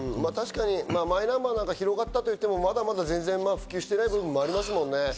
マイナンバーなんか広がったって言ってもまだまだ全然普及してない部分もありますもんね。